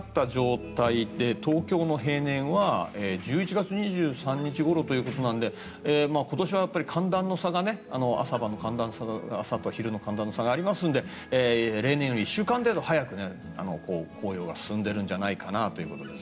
黄色くなった状態で東京の平年は１１月２３日ごろということなので今年は寒暖の差が朝と昼の寒暖差がありますので例年より１週間程度早く紅葉が進んでるんじゃないかなと。